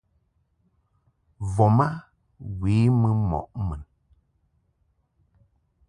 Voma we mɨ mɔʼ mun.